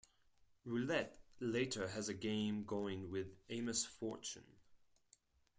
Roulette later has a game going with Amos Fortune.